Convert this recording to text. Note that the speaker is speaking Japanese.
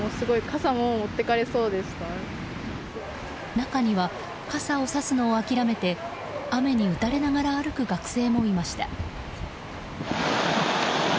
中には、傘をさすのを諦めて雨に打たれながら歩く学生もいました。